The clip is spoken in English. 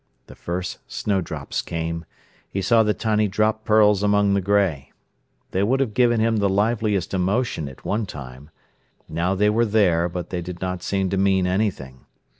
The first snowdrops came. He saw the tiny drop pearls among the grey. They would have given him the liveliest emotion at one time. Now they were there, but they did not seem to mean anything.